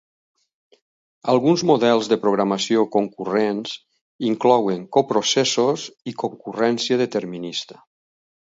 Alguns models de programació concurrents inclouen coprocessos i concurrència determinista.